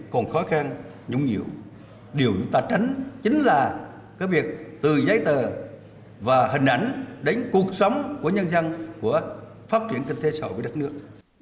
còn khó khăn nhũng nhịu điều chúng ta tránh chính là cái việc từ giấy tờ và hình ảnh đến cuộc sống của nhân dân của phát triển kinh tế sầu với đất nước